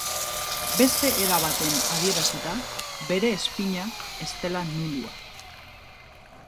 Beste era baten adierazita, bere spina ez dela nulua.